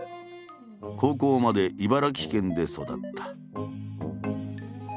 高校まで茨城県で育った。